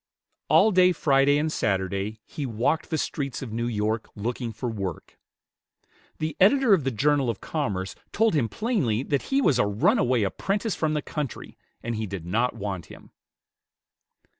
All day Friday and Saturday he walked the streets of New York, looking for work. The editor of the "Journal of Commerce" told him plainly that he was a runaway apprentice from the country, and he did not want him.